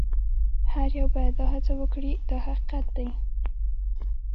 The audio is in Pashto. هر یو باید دا هڅه وکړي دا حقیقت دی.